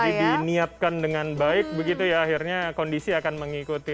jadi diniatkan dengan baik begitu ya akhirnya kondisi akan mengikuti